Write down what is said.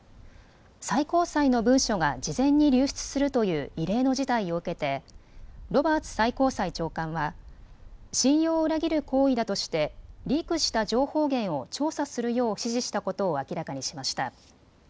最高裁の文書が事前に流出するという異例の事態を受けてロバーツ最高裁長官は信用を裏切る行為だとしてリークした情報源を調査するよう指示したことを明らかにしました。